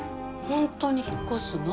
本当に引っ越すの？